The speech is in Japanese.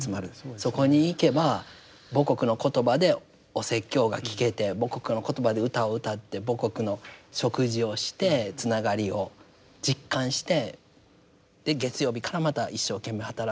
そこに行けば母国の言葉でお説教が聞けて母国の言葉で歌を歌って母国の食事をしてつながりを実感してで月曜日からまた一生懸命働くっていう。